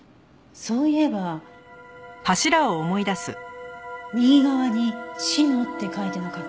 そういえば右側に「しの」って書いてなかった？